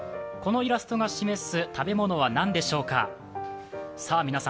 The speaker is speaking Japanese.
このイラストが示す食べ物は何でしょうか。